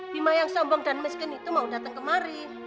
bima yang sombong dan miskin itu mau datang kemari